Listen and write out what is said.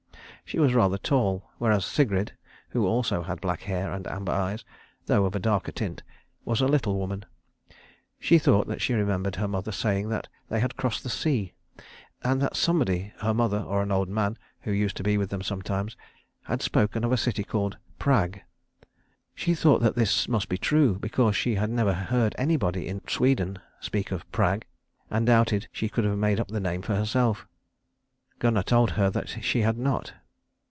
She was rather tall, whereas Sigrid who also had black hair and amber eyes, though of a darker tint was a little woman. She thought that she remembered her mother saying that they had crossed the sea; and that somebody, her mother or an old man who used to be with them sometimes, had spoken of a city called Prag. She thought that this must be true, because she had never heard anybody in Sweden speak of Prag, and doubted she could have made up the name for herself. Gunnar told her that she had not.